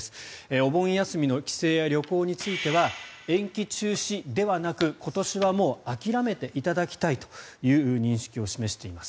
お盆休みの帰省や旅行については延期、中止ではなく今年はもう諦めていただきたいという認識を示しています。